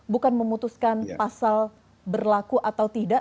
bukan memutuskan pasal berlaku atau tidak